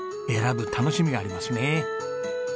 選ぶ楽しみがありますね。